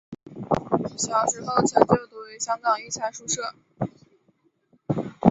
小时候曾就读于香港育才书社。